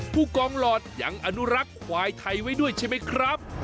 ผู้กองหลอดยังอนุรักษ์ควายไทยไว้ด้วยใช่ไหมครับ